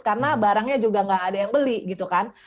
karena barangnya juga nggak ada yang beli gitu kan